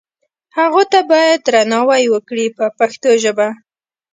هغو ته باید درناوی وکړي په پښتو ژبه.